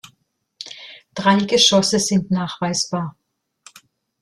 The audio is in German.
Drei Geschosse sind nachweisbar.